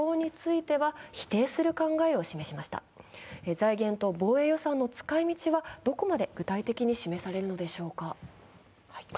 財源と防衛予算の使い道はどこまで具体的に示されるのでしょうか。